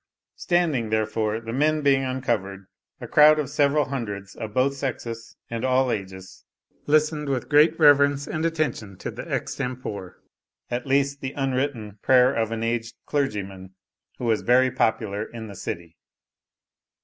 Standing, therefore, the men being uncovered, a crowd of several hundreds of both sexes, and all ages, listened with great reverence and attention to the extempore, at least the unwritten, prayer of an aged clergyman,* who was very popular in the city.